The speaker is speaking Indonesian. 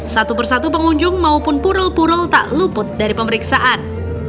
satu persatu pengunjung maupun pural purul tak luput dari pemeriksaan